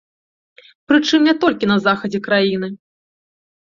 Прычым не толькі на захадзе краіны.